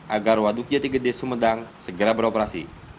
agar waduk jati gede sumedang segera beroperasi